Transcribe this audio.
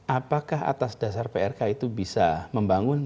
apakah atas dasar prk itu bisa membangun